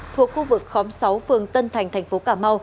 thuộc khu vực khóm sáu phương tân thành tp hcm